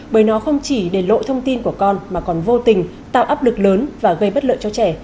bởi nó không chỉ để lộ thông tin của con mà còn vô tình tạo áp lực lớn và gây bất lợi cho trẻ